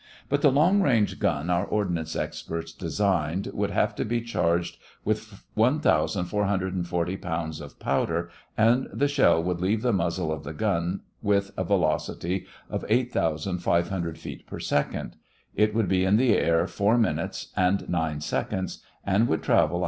But the long range gun our ordnance experts designed would have to be charged with 1,440 pounds of powder and the shell would leave the muzzle of the gun with a velocity of 8,500 feet per second. It would be in the air four minutes and nine seconds and would travel 121.